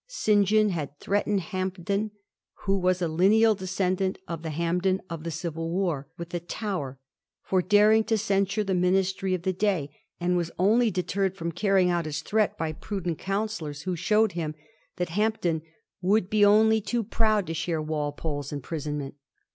St. John had threatened Hampden, who was a lineal descendant of the Hamp den of the Civil War, with the Tower for daring to censure the Ministry of the day, and was only deterred from carrying out his threat by prudent counsellors, Digiti zed by Google 1716 ARREST OF MATTHEW PRIOR. 139 who showed him that Hampden would be only too proud to share Walpole's imprisonment.